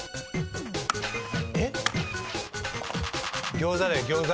餃子だよ餃子。